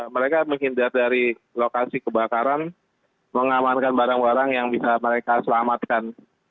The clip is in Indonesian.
mereka menghindar dari lokasi kebakaran mengamankan barang barang yang bisa mereka selamatkan